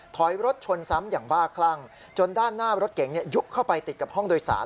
ถอยรถชนซ้ำอย่างบ้าคลั่งจนด้านหน้ารถเก๋งยุบเข้าไปติดกับห้องโดยสาร